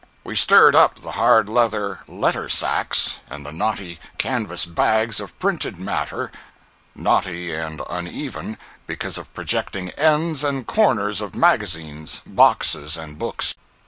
We stirred up the hard leather letter sacks, and the knotty canvas bags of printed matter (knotty and uneven because of projecting ends and corners of magazines, boxes and books).